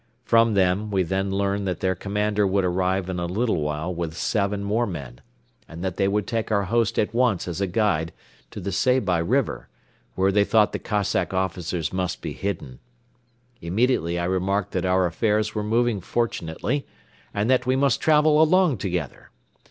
From them we then learned that their commander would arrive in a little while with seven more men and that they would take our host at once as a guide to the Seybi River, where they thought the Cossack officers must be hidden. Immediately I remarked that our affairs were moving fortunately and that we must travel along together.